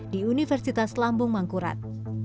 di universitas lambung mangkurat